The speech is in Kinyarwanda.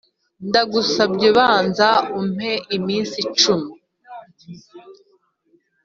ndagusabye banza umpe iminsi icumi